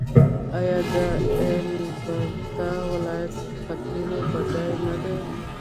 آیا د البرټا ولایت په تیلو بډایه نه دی؟